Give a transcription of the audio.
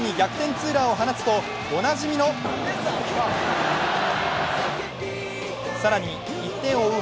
ツーランを放つと、おなじみの更に１点を追う